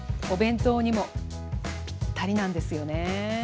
お弁当にもぴったりなんですよね。